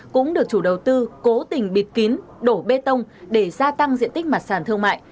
cũng được chủ đầu tư cố tình bịt kín đổ bê tông để gia tăng diện tích mặt sàn thương mại